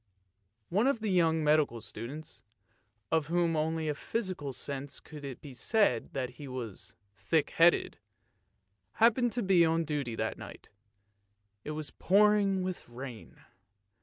One of the young medical students, of whom only in a physical sense could it be said that he was thick headed, happened to be on duty that night; it was pouring with rain.